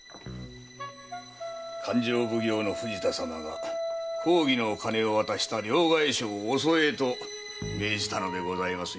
勘定奉行の藤田様が公儀のお金を渡した両替商を襲えと命じたのでございますよ。